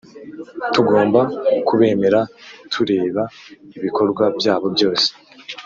tugomba kubemera tureba ibikobwa byabo byose,